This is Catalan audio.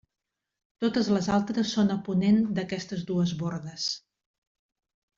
Totes les altres són a ponent d'aquestes dues bordes.